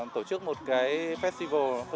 tổ chức một festival